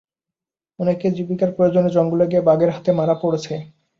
অনেকে জীবিকার প্রয়োজনে জঙ্গলে গিয়ে বাঘের হাতে মারা পড়ছে।